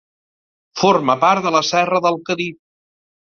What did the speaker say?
Forma part de la Serra del Cadí.